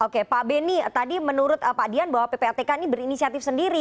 oke pak beni tadi menurut pak dian bahwa ppatk ini berinisiatif sendiri